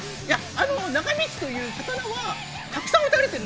長光という刀は、たくさん打たれている。